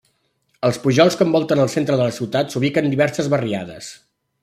Als pujols que envolten el centre de la ciutat s'ubiquen diverses barriades.